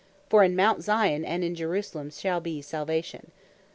For in Mount Zion, and in Jerusalem shall be Salvation."